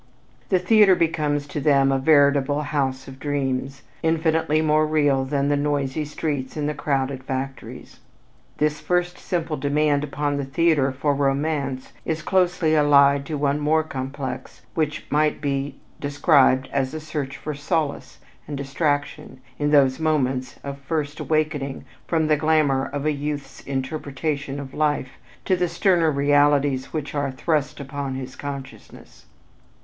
The theater becomes to them a "veritable house of dreams" infinitely more real than the noisy streets and the crowded factories. This first simple demand upon the theater for romance is closely allied to one more complex which might be described as a search for solace and distraction in those moments of first awakening from the glamour of a youth's interpretation of life to the sterner realities which are thrust upon his consciousness.